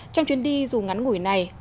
trong chuyến đi dù ngắn ngủi này